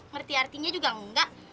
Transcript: merti artinya juga nggak